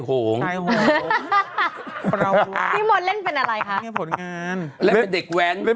เป็นการกระตุ้นการไหลเวียนของเลือด